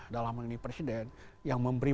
dalam hal ini presiden yang memberi